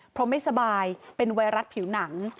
เพราะไม่สบายเป็นไวรัสผิวหนัง